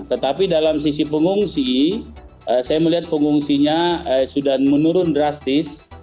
tetapi dalam sisi pengungsi saya melihat pengungsinya sudah menurun drastis